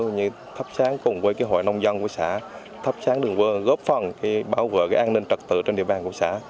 như thắp sáng cùng với hội nông dân của xã thắp sáng đường quê góp phần bảo vệ an ninh trật tự trên địa bàn của xã